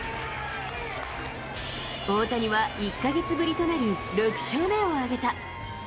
大谷は１か月ぶりとなる６勝目を挙げた。